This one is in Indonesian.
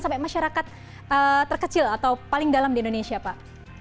sampai masyarakat terkecil atau paling dalam di indonesia pak